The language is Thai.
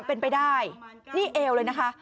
เป็นไปได้นี่เอวเลยนะคะ